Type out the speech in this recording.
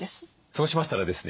そうしましたらですね